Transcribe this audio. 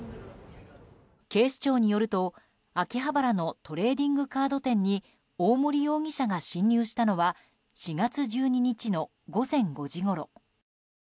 警視庁によると、秋葉原のトレーディングカード店に大森容疑者が侵入したのは４月１２日の午前５時ごろ。